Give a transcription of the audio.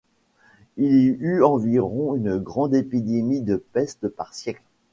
Il y eut environ une grande épidémie de peste par siècle.